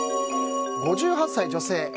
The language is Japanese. ５８歳女性。